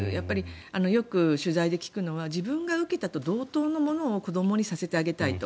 よく取材で聞くのは自分で受けたと同等のものを子どもに受けさせたいと。